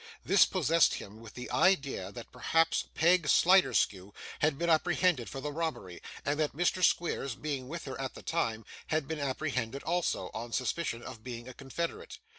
This possessed him with the idea that, perhaps, Peg Sliderskew had been apprehended for the robbery, and that Mr. Squeers, being with her at the time, had been apprehended also, on suspicion of being a confederate.